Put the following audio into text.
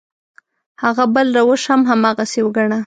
هغه بل روش هم هماغسې وګڼه.